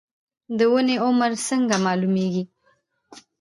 د ونې عمر څنګه معلومیږي؟